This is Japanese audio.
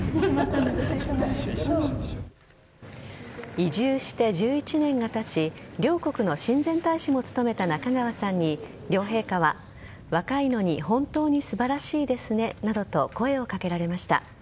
移住して１１年がたち両国の親善大使も務めた仲川さんに両陛下は若いのに本当に素晴らしいですねなどと声をかけられました。